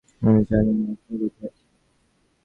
আমি জানিও না এটা কোথায় আছে।